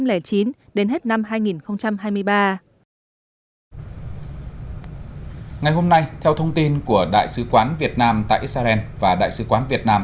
dự kiến chương trình giám sát năm hai nghìn hai mươi ba của quốc hội ủy ban thường vụ quốc hội cho ý kiến báo cáo kết quả trật tự an toàn giao thông từ năm hai nghìn hai mươi